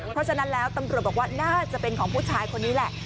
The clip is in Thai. เพราะฉะนั้นแล้วตำรวจบอกว่าน่าจะเป็นของผู้ชายคนนี้แหละ